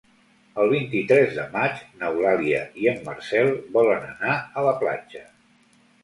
El vint-i-tres de maig n'Eulàlia i en Marcel volen anar a la platja.